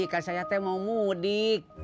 kasih ayatnya mau mudik